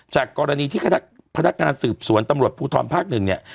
จากกรณีที่คณะพนักงานสืบสวนตำรวจภูทรภาคหนึ่งเนี่ย